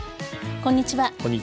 こんにちは。